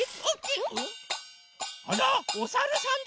あらおさるさんだ！